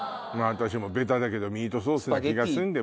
私もベタだけどミートソースな気がするんだよ。